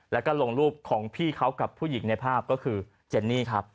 แล้วก็ลงรูปของพี่เขากับผู้หญิงในภาพก็คือเจนนี่ครับ